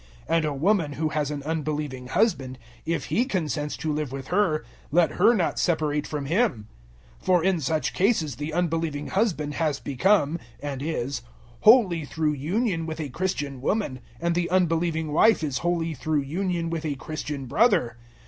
007:013 And a woman who has an unbelieving husband if he consents to live with her, let her not separate from him. 007:014 For, in such cases, the unbelieving husband has become and is holy through union with a Christian woman, and the unbelieving wife is holy through union with a Christian brother.